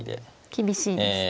厳しいですね。